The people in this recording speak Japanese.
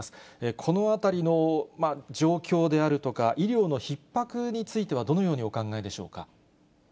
このあたりの状況であるとか、医療のひっ迫については、どのようにお考えでしょうか。